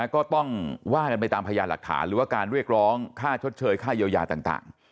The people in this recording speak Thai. ก็ต้องว่ากันไปตามพยานหลักฐานหรือว่าการเรียกร้องค่าชดเชยค่าเยียวยาต่าง